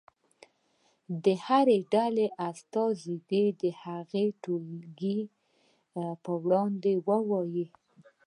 د هرې ډلې استازی دې هغه ټولګي په وړاندې ووایي.